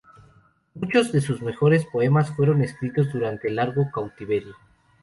Muchos de sus mejores poemas fueron escritos durante el largo cautiverio.